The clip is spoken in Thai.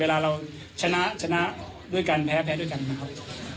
เวลาเราชนะชนะด้วยกันแพ้แพ้ด้วยกันนะครับ